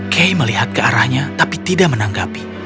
kay melihat ke arahnya tapi tidak menanggapi